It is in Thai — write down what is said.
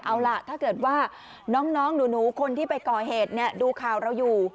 เอาล่ะถ้าเกิดว่าน้องหนูคนที่ไปก่อเหตุดูข่าวเราอยู่